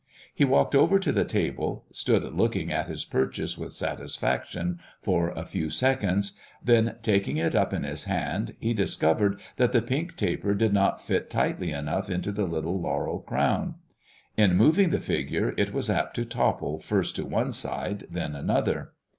He walked over to the table, stood looking at his purchase with satisfaction for a few seconds; then taking it up in his hand, he discovered that the pink taper did not fit tightly enough into the little laurel crown. In moving the figure, it was apt to topple first to one side, then another.